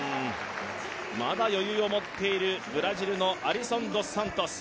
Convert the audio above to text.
まだ余裕を持っているブラジルのアリソン・ドス・サントス。